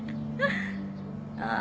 ああ。